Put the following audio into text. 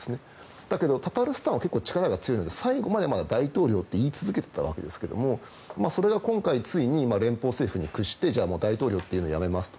ただ、タタールスタンは強いので最後まで大統領と言い続けていたわけですけどもそれは今回ついに連邦政府に屈して大統領と言うのをやめますと。